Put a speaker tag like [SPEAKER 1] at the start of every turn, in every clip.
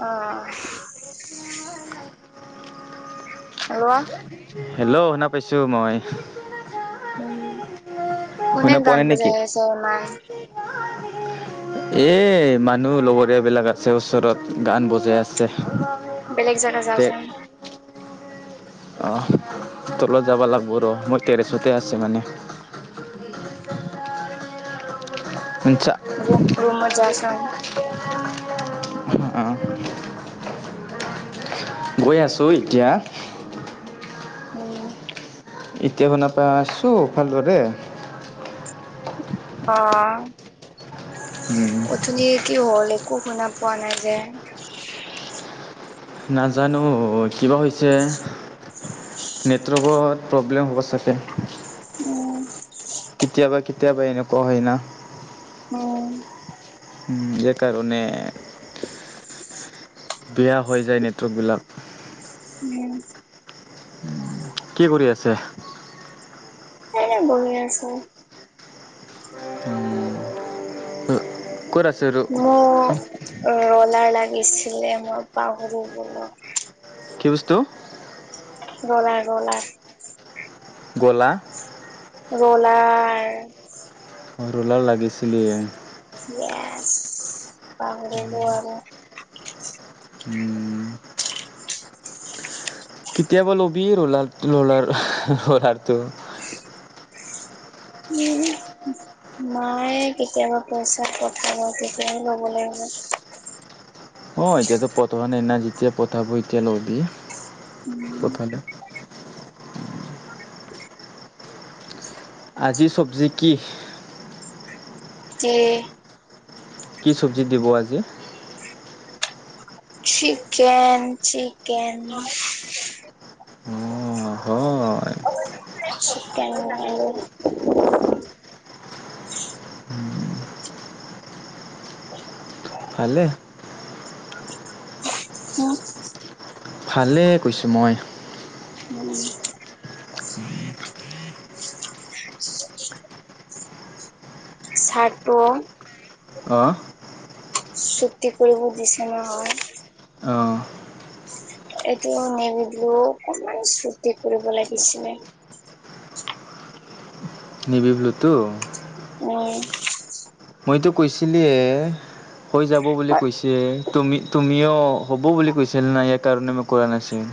[SPEAKER 1] অ'। [unintelligible]
[SPEAKER 2] Hello! শুনা পাইছো মই।
[SPEAKER 1] উম, কোনে
[SPEAKER 2] শুনা পোৱা
[SPEAKER 1] গান
[SPEAKER 2] নাই নেকি
[SPEAKER 1] বজাই আছে ইমান?
[SPEAKER 2] এ মানুহ লগৰীয়া বিলাক আছে ওচৰত, গান বজাই আছে।
[SPEAKER 1] বেলেগ জাগাত যাচোন।
[SPEAKER 2] আহ, তলত যাব লাগব ৰ! মই টেৰেছতে আছোঁ মানে। শুনছা
[SPEAKER 1] উম, ৰুমত যাচোন।
[SPEAKER 2] অ গৈ আছোঁ এতিয়া।
[SPEAKER 1] উম।
[SPEAKER 2] এতিয়া শুনা পাই আছোঁ ভালদৰে।
[SPEAKER 1] অ'
[SPEAKER 2] উম
[SPEAKER 1] অথনি কি হ'ল, একো শুনা পোৱা নাই যে?
[SPEAKER 2] নাজানো কিবা হৈছে? নেটৱৰ্কত প্ৰব্লেম হ'ব চাগে।
[SPEAKER 1] উম।
[SPEAKER 2] কেতিয়াবা কেতিয়াবা এনেকুৱা হয় না?
[SPEAKER 1] অ'ম।
[SPEAKER 2] [unintelligible] কাৰণে
[SPEAKER 1] [inaudible]
[SPEAKER 2] বেয়া হৈ যায় নেটৱৰ্কবিলাক।
[SPEAKER 1] উম।
[SPEAKER 2] কি কৰি আছে?
[SPEAKER 1] এনে বহি আছোঁ।
[SPEAKER 2] উম। ক'ত আছ
[SPEAKER 1] মোৰ ৰলাৰ লাগিছিলে, মই পাহৰি গ'লো।
[SPEAKER 2] কি বস্তু?
[SPEAKER 1] Roller roller.
[SPEAKER 2] গ'লা?
[SPEAKER 1] ৰ'লাৰ।
[SPEAKER 2] অ' ৰ'লাৰ লাগিছিলে।
[SPEAKER 1] য়েছ, পাহৰিলো আৰু।
[SPEAKER 2] উম। কেতিয়াবা ল'বি ৰ'লাৰ ল'লাৰ ৰ'লাৰটো?
[SPEAKER 1] [unintelligible] মায়ে কেতিয়াবা পইচা পঠাব তেতিয়াই ল'ব লাগিব।
[SPEAKER 2] অ এতিয়াতো পঠোৱা নাই না যেতিয়া পঠাব এতিয়া ল'বি।
[SPEAKER 1] উম।
[SPEAKER 2] পঠালে আজি চব্জি কি?
[SPEAKER 1] কি?
[SPEAKER 2] কি চব্জি দিব আজি?
[SPEAKER 1] Chicken, chicken.
[SPEAKER 2] অঁ হয়
[SPEAKER 1] চিকেন আৰু
[SPEAKER 2] ভালে।
[SPEAKER 1] উম।
[SPEAKER 2] ভালে কৈছোঁ মই।
[SPEAKER 1] উম। চাৰ্টটো
[SPEAKER 2] অঁ।
[SPEAKER 1] চু্টি কৰিব দিছে নহয়।
[SPEAKER 2] অঁ।
[SPEAKER 1] এইটো নেবি ব্লো অকমান চুটি কৰিব লাগিছিলে।
[SPEAKER 2] ব্লুটো।
[SPEAKER 1] উম।
[SPEAKER 2] মইতো কৈছিলিৱে, হৈ যাব বুলি কৈছে। তুমি তুমিও হ'ব বুলি কৈছিলা না ইয়াৰ কাৰণে মই কৰা নাছিল।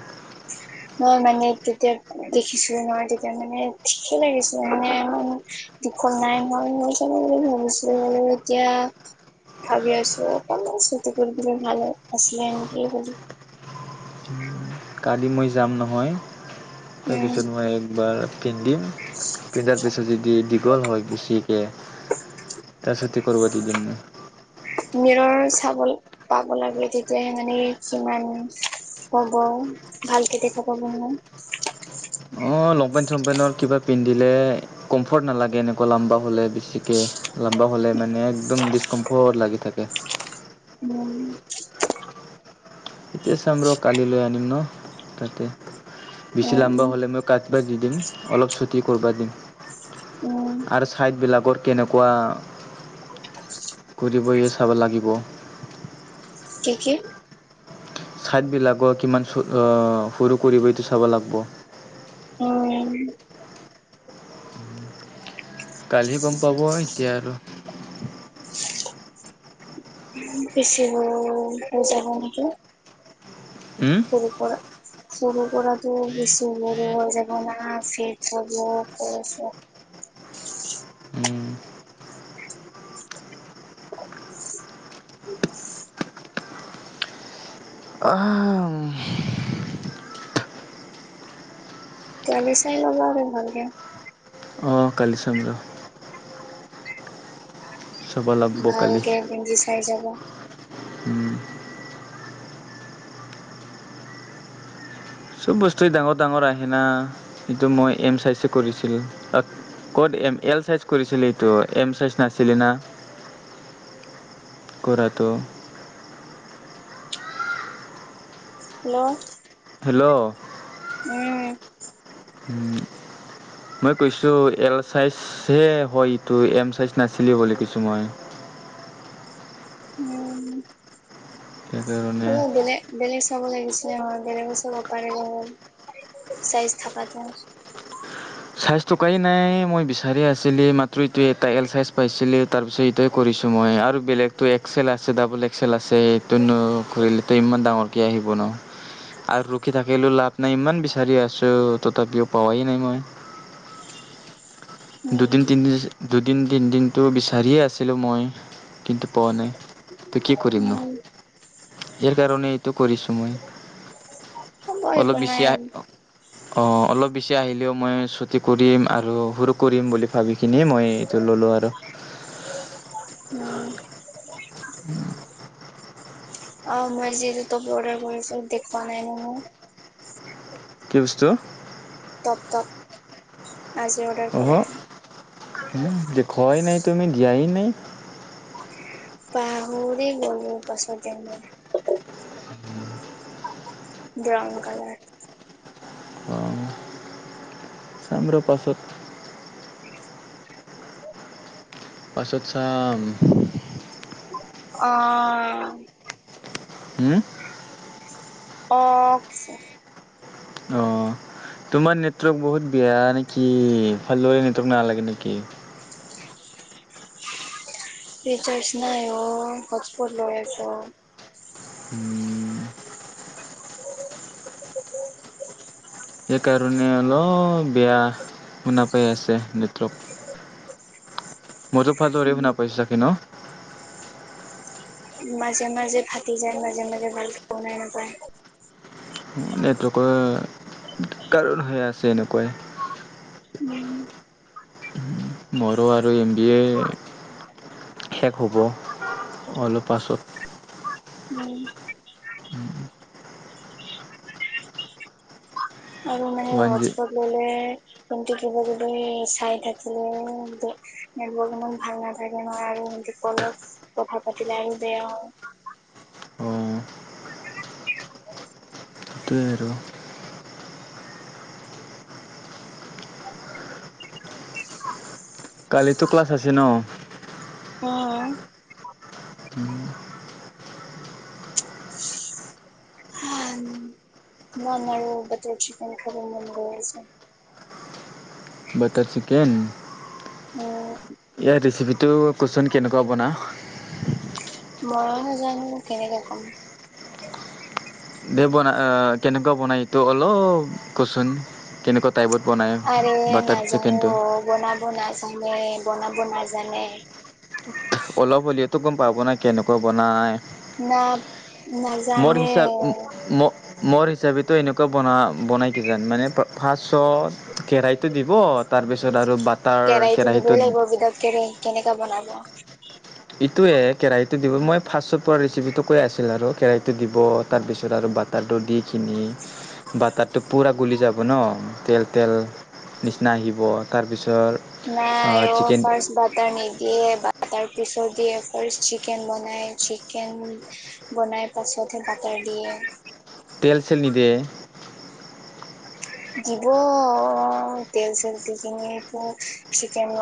[SPEAKER 1] মই মানে তেতিয়া দেখিছিলো নহয় তেতিয়া মানে ঠিকে লাগিছিল মানে [unintelligible] ভাবিছিলো বাৰু এতিয়া ভাবি আছো অকণমানে চুতি কৰি দিলে ভাল আছিলে নেকি বুলি।
[SPEAKER 2] কালি মই যাম নহয়
[SPEAKER 1] উম
[SPEAKER 2] তাৰপিছত মই একবাৰ পিন্ধিম
[SPEAKER 1] [inaudible]
[SPEAKER 2] পিন্ধাৰ পিছত যদি দীঘল হয় বেছিকে তাৰপিছত ঠিক কৰিব দি দিম।
[SPEAKER 1] মিৰৰ চাব পাব লাগে তেতিয়াহে মানে কিমান কব ভালকে দেখা পাব মই
[SPEAKER 2] অঁ লংপেণ্ট চংপেণ্টৰ কিবা পিন্ধিলে কমফৰ্ট নালাগে এনে কুৱা লাম্বা হ'লে বেছিকে লাম্বা হ'লে মানে একদম ডিচকমফৰ্ট লাগি থাকে।
[SPEAKER 1] উম।
[SPEAKER 2] তেতিয়া চাম ৰ কালিলৈ আনিম ন' তাতে। বেছি লাম্বা
[SPEAKER 1] উম
[SPEAKER 2] হ'লে মই কাটবা দি দিম, অলপ চটি কৰবা দিম।
[SPEAKER 1] উম।
[SPEAKER 2] আৰু ছাইডবিলাকৰ কেনেকুৱা ঘৰি বহিয়ে চাব লাগিব।
[SPEAKER 1] কি কি?
[SPEAKER 2] ছাইডবিলাকৰ কিমান চ' অ সৰু কৰিবই এইটো চাব লাগব।
[SPEAKER 1] উম।
[SPEAKER 2] কালি গম পাব এতিয়া আৰু
[SPEAKER 1] ওম বেছি সৰু, হৈ যাব নেকি?
[SPEAKER 2] উম
[SPEAKER 1] সৰু কৰা। সৰু কৰাটো বেছি সৰু হৈ যাব না ফেট হ'ব কৈ আছো।
[SPEAKER 2] উম,
[SPEAKER 1] [unintelligible]
[SPEAKER 2] অঁ' ওম'
[SPEAKER 1] তুমি চাই লবা আৰু ভালকে।
[SPEAKER 2] অঁ কালি চাম ৰ। চাব লাগব কালি।
[SPEAKER 1] ভালকে পিন্ধি চাই যাবা।
[SPEAKER 2] উম' চব বস্তুৱে ডাঙৰ ডাঙৰ আহে না সেইটো মই এম চাই চে কৰিছিলো, তাত- ক'ত এম এল চাইজ কৰিছিলি এইটো, এম চাইজ নাছিলেনা। কৰাটো।
[SPEAKER 1] হেল্লৌ'
[SPEAKER 2] হেল্লৌ'
[SPEAKER 1] উম'
[SPEAKER 2] উম' মই কৈছোঁ এল চাইজহে হয় এইটো এম চাইজ নাছিলে বুলি কৈছোঁ মই।
[SPEAKER 1] উম'
[SPEAKER 2] সেইকাৰণে
[SPEAKER 1] অলপ বেলেগ। বেলেগ চাব লাগিছিলে হয় বেলেগ চাব পাৰে নহয় চাইজ থকাটো।
[SPEAKER 2] চাইজ থকাই নাই মই বিচাৰি আছিলো মাত্ৰ এইটোৱে এটা এল চাইজ পাইছিলোঁ। তাৰপিছত এইটোৱে কৰিছোঁ মই আৰু বেলেগটো এক্সেল আছে ডাবোল এক্সেল আছে সেইটোনো কৰিলোঁ টো ইমান ডাঙৰ- কে আহিব ন। আৰু ৰখি থাকিলো লাভ নাই ইমান বিচাৰি আছোঁ তথাপিও পোৱাই নাই মই।
[SPEAKER 1] উম
[SPEAKER 2] দুদিন তিনি দিন তিনিদিনটো বিচাৰিয়ে আছিলোঁ মই, কিন্তু পোৱা নাই। তো কি কৰিম ন,
[SPEAKER 1] উম
[SPEAKER 2] ইয়াৰ কাৰণে এইটো কৰিছোঁ মই।
[SPEAKER 1] হ'ব
[SPEAKER 2] অলপ
[SPEAKER 1] একো
[SPEAKER 2] বেছি
[SPEAKER 1] নাই
[SPEAKER 2] আ- অঁ অলপ বেছি আহিলেও মই ছুটী কৰিম আৰু সৰু কৰিম বুলি- ভাবি কিনিয়ে মই এইটো ললোঁ আৰু।
[SPEAKER 1] উম' অঁ মই আজি তপ অৰ্ডাৰ কৰিছোঁ দেখুৱা নাই ন মই।
[SPEAKER 2] কি বস্তু?
[SPEAKER 1] টপ টপ আজিৰত-
[SPEAKER 2] অহ' উম দেখুৱাই নাই তুমি দিয়াই নাই।
[SPEAKER 1] পাহৰি গলোঁ পাছত এনেই। Brown colour.
[SPEAKER 2] অঁ' চাম ৰ পাছত। পাছত চাম।
[SPEAKER 1] অঁ'
[SPEAKER 2] উওম'
[SPEAKER 1] অঁ'
[SPEAKER 2] অঁ তোমাৰ নেটৱৰ্ক বহুত বেয়া নেকি ভালদৰে নেটৱৰ্ক নালাগে নেকি?
[SPEAKER 1] ৰিছাৰজ নাই অ' হজপত লৈ আছোঁ।
[SPEAKER 2] উম'
[SPEAKER 1] [unintelligible]
[SPEAKER 2] সেইকাৰণে অলপ বেয়া শুনাপাই আছে নেতৱৰক। মোৰো ভালদৰেই শুনা পাই চাগে ন'।
[SPEAKER 1] মাজে মাজে ফাটি যায় মাজে মাজে ভাল কে শুনাই নাপায়।
[SPEAKER 2] নেটৱৰ্কৰ কাৰণ হৈ আছে এনেকুৱাই।
[SPEAKER 1] উম।
[SPEAKER 2] মোৰো আৰু এম বি এ শেষ হ'ব অলপ পাছত।
[SPEAKER 1] উম। আৰু মানে
[SPEAKER 2] ওৱান জি
[SPEAKER 1] হজ্পট ললে কিন্তু কিবা যদি চাই থাকিলে নেটবোৰ ইমান ভাল নাথাকে নহয় আৰু সেইটো ফোনত কথা পাতিলে আৰু বেয়াও।
[SPEAKER 2] অঁ
[SPEAKER 1] [unintelligible]
[SPEAKER 2] সেইটোৱে আৰু। কালিটো ক্লাছ আছে ন?
[SPEAKER 1] অ।
[SPEAKER 2] উম।
[SPEAKER 1] [unintelligible] উম, নান আৰু বাটাৰ চিকেন খাব মন গৈ আছে।
[SPEAKER 2] Butter chicken?
[SPEAKER 1] উম
[SPEAKER 2] ইয়াৰ ৰেচিপিটো ক'চোন কেনেকুৱা বনাও।
[SPEAKER 1] ম‌ইয়ো নাজানো কেনেকে ক'ম।
[SPEAKER 2] দে বনা, অ কেনেকুৱা বনাই এইটো অলপ কচোন। কেনেকুৱা টাইপত বনাই
[SPEAKER 1] আৰে
[SPEAKER 2] বাটাৰ
[SPEAKER 1] নাজানো
[SPEAKER 2] চিকেনটো।
[SPEAKER 1] বনাব নাজানে বনাব নাজানে।
[SPEAKER 2] অলপ হ'লেও টো গম পাব না কেনেকুৱা বনাই।
[SPEAKER 1] না
[SPEAKER 2] মোৰ
[SPEAKER 1] নাজানে
[SPEAKER 2] হিচাপ ম মোৰ হিচাপেতো এনেকুৱা বনা বনাই কিজান মানে ফাৰ্ষ্টত কেৰাহটো দিব তাৰপিছত আৰু বাট
[SPEAKER 1] কেৰাহীটো দিবই লাগিব ওদাউত কেৰাহী কেনেকা বনাব
[SPEAKER 2] এইটোৱে কেৰাহীটো দিব মই ফাৰ্ষ্টত পৰা ৰেচিপিটো কৈ আছিল আৰু কেৰাহীটো দিব তাৰপিছত আৰু বাট টাৰটো দি কিনি বাটাৰটো পুৰা গুলি যাব ন তেল তেল নিচিনা আহিব তাৰপিছৰ
[SPEAKER 1] নাই অ ফাৰ্ষ্ট বাটাৰ নিদিয়ে বা টাৰ পিছত দিয়ে। ফাৰ্ষ্ট চিকেন বনাই চিকেন বনাই পাছতহে বাটাৰ দিয়ে।
[SPEAKER 2] তেল চেল নিদিয়ে?
[SPEAKER 1] দিব তেল চেল দি কেনে আকৌ চিকেন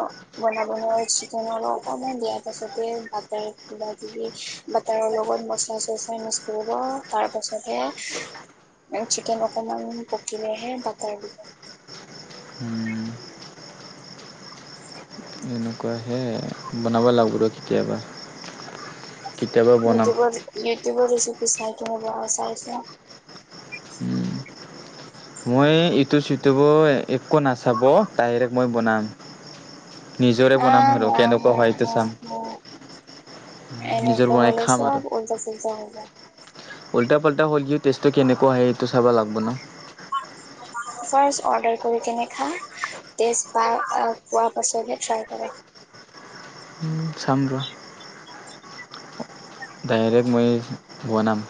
[SPEAKER 1] বনাব নোৱাৰে চিকন অকমান দিয়াৰ পাছতে বাটাৰ কিবা কিবি বাটাৰৰ লগত মচা চচলা মিক্স কৰিব তাৰপাছতহে চিকেন অকমান পকিলেহে বাটাৰ দিব।
[SPEAKER 2] হুম এনেকুৱাহে! বনাব লাগব ৰ' কেতিয়াবা কেতিয়াবা বনাম
[SPEAKER 1] ইউটোউবৰ ইউটোবৰ ৰেচিপি চাই কিনে বনাবা চাই চাই।
[SPEAKER 2] মই ইউটোউব চিউটোব একো নাচাব ডাইৰেক্ট মই বনাম। নিজৰে বনাম আৰু
[SPEAKER 1] আহ হা হা
[SPEAKER 2] কেনেকুৱা হয় সেইটো
[SPEAKER 1] হা
[SPEAKER 2] চাম।
[SPEAKER 1] হা
[SPEAKER 2] নিজৰ
[SPEAKER 1] এনেকে
[SPEAKER 2] বনাই
[SPEAKER 1] হলে
[SPEAKER 2] খাম
[SPEAKER 1] চব ওল্টা চুল্টা হৈ যায়।
[SPEAKER 2] ওল্টা পুল্টা হলিও টেষ্টটো কেনেকুৱা হয় সেইটো চাব লাগব না।
[SPEAKER 1] ফাৰ্ষ্ট অৰ্ডাৰ কৰি কেনে খা। তেচ পা পোৱা পাছতহে ট্ৰাই কৰে।
[SPEAKER 2] চাম ৰ'হ। ডাইৰেক্ট মই বনাম।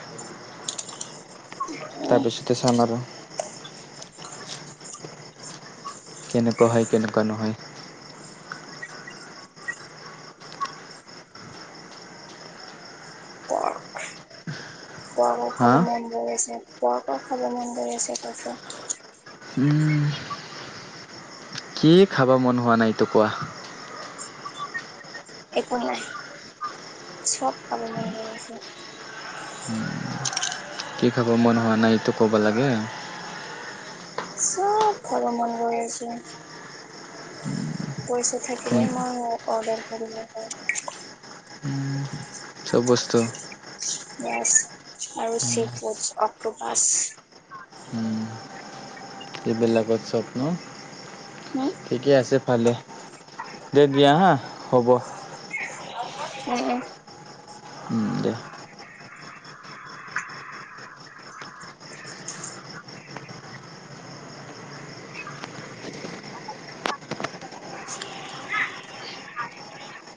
[SPEAKER 2] তাৰপিছতে চাম আৰু। কেনেকোৱা হয়, কেনেকোৱা নহয়।
[SPEAKER 1] [inaudible] অ' অ' খাব
[SPEAKER 2] হা
[SPEAKER 1] মন গৈ আছে [inaudible] চাহটো খাব মন গৈ আছে তাতে।
[SPEAKER 2] উম' কি খাব মন হোৱা নাই, এইটো কোৱা?
[SPEAKER 1] একো নাই, চব খাব মন গৈ আছে।
[SPEAKER 2] উম' কি খাবৰ মন হোৱা নাই, এইটো ক'ব লাগে।
[SPEAKER 1] চব খাব মন গৈ আছে। পইচা থাকিলে
[SPEAKER 2] উম,
[SPEAKER 1] মই, অৰ্ডাৰ কৰিব পাৰোঁ।
[SPEAKER 2] উম' চব বস্তু
[SPEAKER 1] ইয়েছ, আৰু চিফুড, অক্টোপাছ। [inaudible]
[SPEAKER 2] উম, এইবিলাকত চব ন
[SPEAKER 1] উম
[SPEAKER 2] ঠিকে আছে পালে, দে দিয়া হা হ'ব।
[SPEAKER 1] উম'
[SPEAKER 2] উম' দে।
[SPEAKER 1] [inaudible] [inaudible]